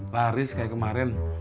baris kayak kemarin